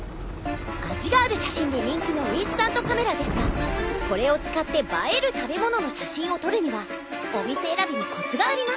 味がある写真で人気のインスタントカメラですがこれを使って映える食べ物の写真を撮るにはお店選びにコツがあります。